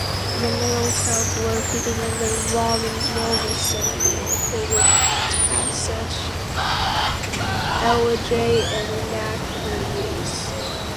The Middle towns- located in the Robbinsville vicinity- included Tassetchee, Elijay, and Nequassee.